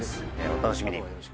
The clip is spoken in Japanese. お楽しみに。